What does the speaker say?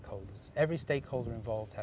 ini harus memanfaatkan semua orang